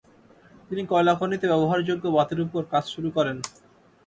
তিনি কয়লাখনিতে ব্যবহারযোগ্য বাতির ওপর কাজ শুরু করেন।